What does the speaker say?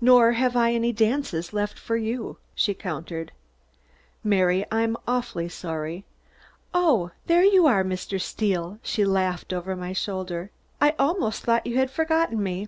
"Nor have I any dances left," she countered. "Mary, I'm awfully sorry " "Oh! There you are, Mr. Steel," she laughed over my shoulder, "I almost thought you had forgotten me."